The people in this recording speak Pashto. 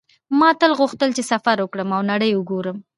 ما تل غوښتل چې سفر وکړم او نړۍ وګورم